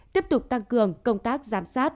tiếp tục tăng cường công tác giám sát